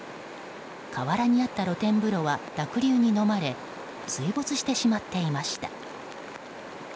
河原にあった露天風呂は濁流にのまれ水没してしまっていました。